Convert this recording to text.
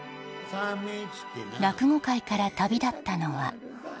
落語界から旅立ったのは。